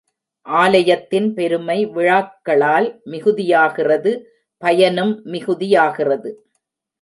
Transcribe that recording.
ஆலயத்தின் பெருமை விழாக்களால் மிகுதியாகிறது பயனும் மிகுதியாகிறது.